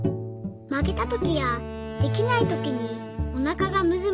「負けた時やできないときにおなかがむずむずします。